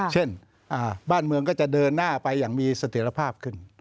เช่นบ้านเมืองก็จะเดินหน้าไปอย่างมีเสถียรภาพขึ้น